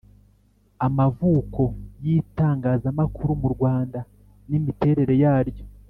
amavuko y itangazamakuru mu Rwanda n imiterere yaryo